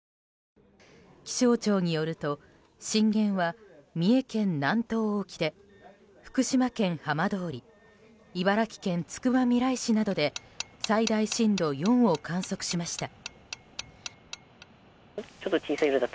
気象庁によると震源は三重県南東沖で福島県浜通り茨城県つくばみらい市などで最大震度４を観測しました。